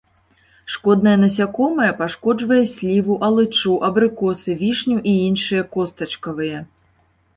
Шкоднае насякомае, пашкоджвае сліву, алычу, абрыкосы, вішню і іншыя костачкавыя.